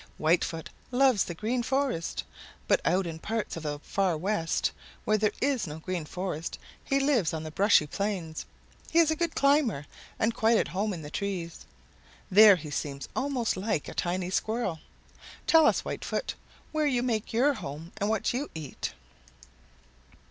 Whitefoot loves the Green Forest, but out in parts of the Far West where there is no Green Forest he lives on the brushy plains. He is a good climber and quite at home in the trees. There he seems almost like a tiny Squirrel. Tell us, Whitefoot, where you make your home and what you eat."